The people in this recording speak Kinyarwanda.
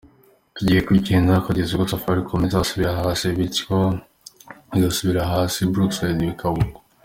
Tugiye kugenda kugeza ubwo Safaricom izasubira hasi, Bidco igasubira hasi na Brookside bikaba uko.